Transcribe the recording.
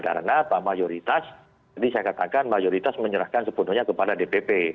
karena pak mayoritas jadi saya katakan mayoritas menyerahkan sepenuhnya kepada dpp